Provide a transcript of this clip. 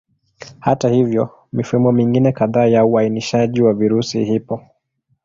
Hata hivyo, mifumo mingine kadhaa ya uainishaji wa virusi ipo.